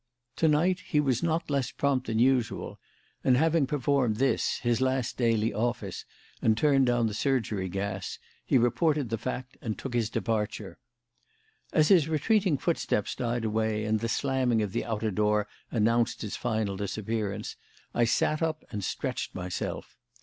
To night he was not less prompt than usual; and having performed this, his last daily office, and turned down the surgery gas, he reported the fact and took his departure. As his retreating footsteps died away and the slamming of the outer door announced his final disappearance, I sat up and stretched myself.